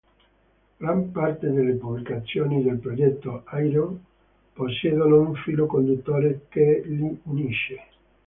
Gran parte delle pubblicazioni del progetto Ayreon possiedono un filo conduttore che li unisce.